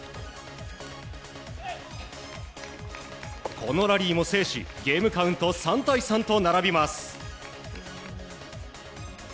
このラリーも制しゲームカウント３対３と並びます。